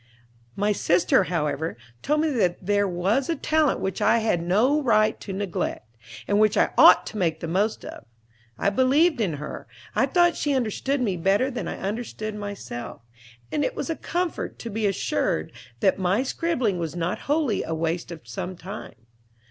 My sister, however, told me that here was a talent which I had no right to neglect, and which I ought to make the most of. I believed in her; I thought she understood me better than I understood myself; and it was a comfort to be assured that my scribbling was not wholly a waste of time.